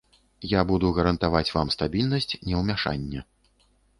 Я буду гарантаваць вам стабільнасць, неўмяшанне.